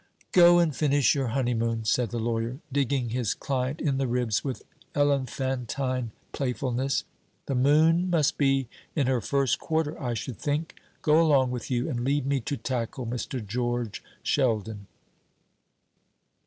"Go and finish your honeymoon," said the lawyer, digging his client in the ribs with elephantine playfulness; "the moon must be in her first quarter, I should think. Go along with you, and leave me to tackle Mr. George Sheldon."